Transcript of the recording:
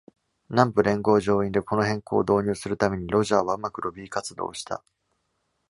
南部連合上院でこの変更を導入するためにロジャーはうまくロビー活動をした。